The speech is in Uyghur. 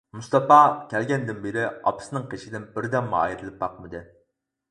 مۇستاپا كەلگەندىن بېرى ئاپىسىنىڭ قېشىدىن بىر دەممۇ ئايرىلىپ باقمىدى.